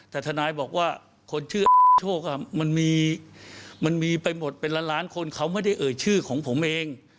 แต่ทนายบอกว่าคนชื่อโชคมันมีไปหมดเป็นล้านล้านคนเขาไม่ได้เอ่ยชื่อของผมเอง